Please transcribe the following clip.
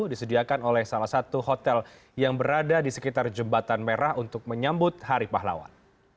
disediakan oleh salah satu hotel yang berada di sekitar jembatan merah untuk menyambut hari pahlawan